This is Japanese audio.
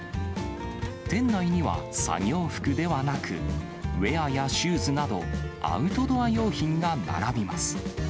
店内には作業服ではなく、ウエアやシューズなど、アウトドア用品が並びます。